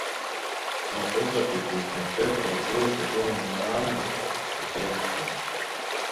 Аҟәыҵәа хәыҷы, машәыршәа аӡиас аҿы уанланага, уаӷеимшхаран…